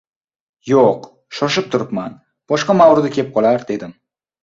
«Yo‘q, shoshib turibman. Boshqa mavrudi kep qolar», dedim.